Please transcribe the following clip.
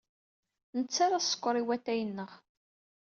Nettarra sskeṛ i watay-nneɣ.